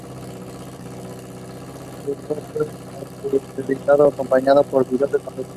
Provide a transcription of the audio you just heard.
De nuevo fue autoeditado y acompañado por un video con letra.